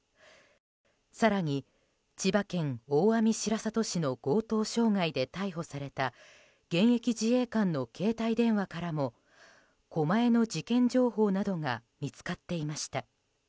更に、千葉県大網白里市の強盗傷害で逮捕された現役自衛官の携帯電話からも狛江の事件情報などが見つかっていました。